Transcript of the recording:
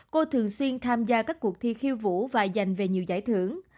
cô thường xuyên tham gia các cuộc thi khiêu vũ và dành về nhiều giải thưởng